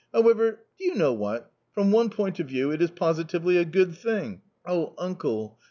However, do you know what? from one point of view it is positively a good thing." " Oh, uncle